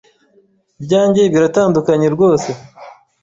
Ibyanjye biratandukanye rwose.